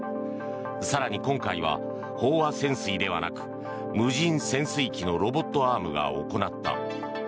更に今回は、飽和潜水ではなく無人潜水機のロボットアームが行った。